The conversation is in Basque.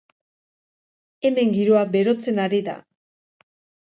Hemen giroa berotzen ari da.